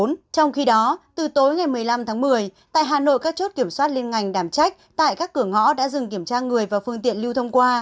trong khi đó từ tối ngày một mươi năm tháng một mươi tại hà nội các chốt kiểm soát liên ngành đảm trách tại các cửa ngõ đã dừng kiểm tra người và phương tiện lưu thông qua